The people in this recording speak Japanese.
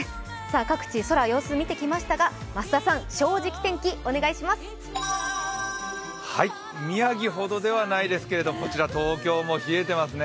各地、様子を見てきましたが増田さん、「正直天気」お願いします宮城ほどではないですけれど東京も冷えてますね。